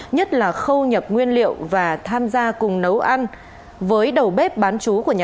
nhất là khâu nhập nguyên liệu và tham gia cùng nấu ăn